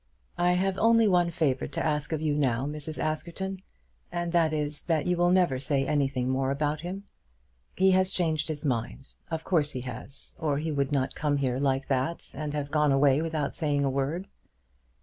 "I have only one favour to ask you now, Mrs. Askerton, and that is that you will never say anything more about him. He has changed his mind. Of course he has, or he would not come here like that and have gone away without saying a word."